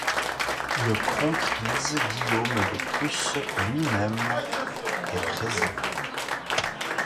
Le Kronprinz Guillaume de Prusse lui-même est présent.